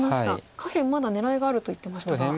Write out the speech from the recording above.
下辺まだ狙いがあると言ってましたが。